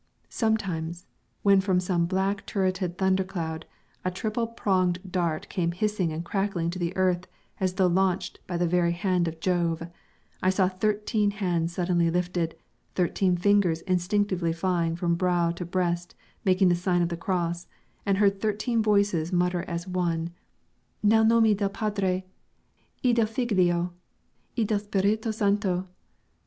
Sometimes, when from some black turreted thunder cloud, a triple pronged dart came hissing and crackling to the earth as though launched by the very hand of Jove, I saw thirteen hands suddenly lifted, thirteen fingers instinctively flying from brow to breast making the sign of the cross, and heard thirteen voices mutter as one, "Nel nome del Padre, e del Figlio, e dello Spirito Santo."